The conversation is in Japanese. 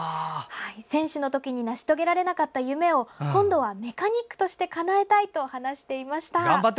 選手の時に成し遂げられなかった夢を今度はメカニックとしてかなえたいと話していました。